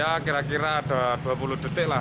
ya kira kira ada dua puluh detik lah